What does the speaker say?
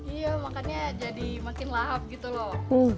iya makannya jadi makin lahap gitu loh